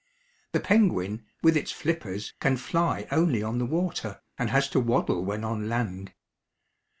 The penguin, with its flippers, can fly only on the water, and has to waddle when on land.